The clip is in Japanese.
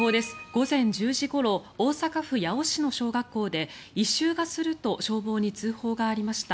午前１０時ごろ大阪府八尾市の小学校で異臭がすると消防に通報がありました。